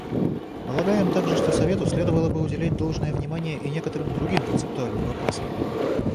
Полагаем также, что Совету следовало бы уделять должное внимание и некоторым другим концептуальным вопросам.